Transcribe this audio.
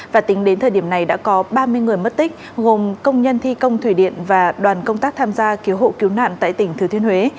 và tính đến thời điểm này đã có ba mươi người mất tích gồm công nhân thi công thủy điện và đoàn công tác tham gia cứu hộ cứu nạn tại tỉnh thừa thiên huế